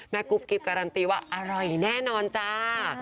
กุ๊บกิ๊บการันตีว่าอร่อยแน่นอนจ้า